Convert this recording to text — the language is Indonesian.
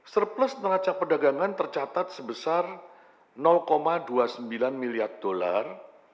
surplus neraca perdagangan tercatat sebesar dua puluh sembilan miliar dolar